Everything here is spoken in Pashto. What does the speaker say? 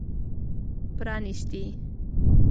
پرانیستي